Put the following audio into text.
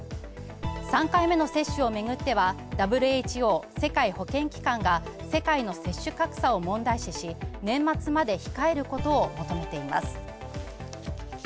３回目の接種をめぐってはＷＨＯ＝世界保健機関が世界の接種格差を問題視し、年末まで控えること求めています。